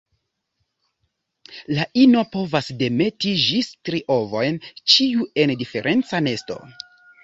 La ino povas demeti ĝis tri ovojn, ĉiu en diferenca nesto.